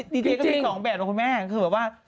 ดีเจก็มี๒แบบนะคุณแม่คือแบบว่า